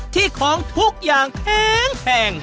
ที่ของทุกอย่างแพง